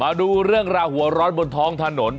มาดูเรื่องราวหัวร้อนบนท้องถนน